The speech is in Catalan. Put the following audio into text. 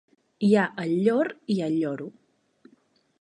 Hi ha el llor i el lloro.